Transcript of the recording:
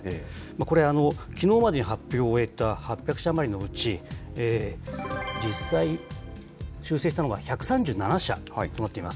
これ、きのうまでに発表を終えた８００社余りのうち、実際修正したのが１３７社となっています。